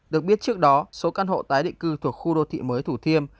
được biết trước đó số căn hộ tái định cư thuộc khu đô thị mới thủ thiêm